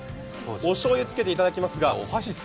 おしょうゆつけていただきます。